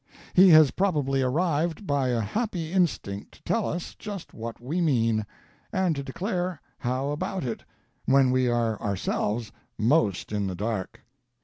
He has probably arrived by a happy instinct to tell us just what we mean, and to declare how about it, when we are ourselves most in the dark.